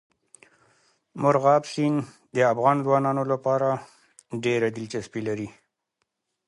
مورغاب سیند د افغان ځوانانو لپاره ډېره دلچسپي لري.